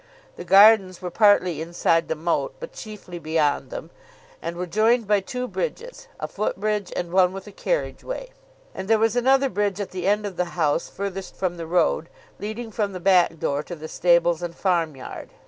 The gardens were partly inside the moat, but chiefly beyond them, and were joined by two bridges a foot bridge and one with a carriage way, and there was another bridge at the end of the house furthest from the road, leading from the back door to the stables and farmyard.